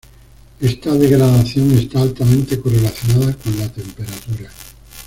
Esta degradación está altamente correlacionada con la temperatura.